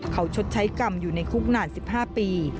เขาชดใช้กรรมอยู่ในคุกนาน๑๕ปี